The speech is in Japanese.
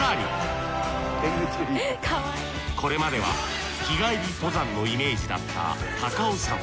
これまでは日帰り登山のイメージだった高尾山。